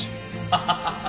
ハハハハ！